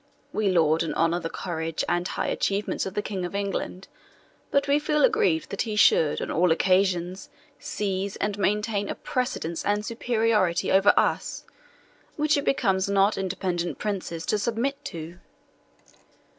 We laud and honour the courage and high achievements of the King of England; but we feel aggrieved that he should on all occasions seize and maintain a precedence and superiority over us, which it becomes not independent princes to submit to.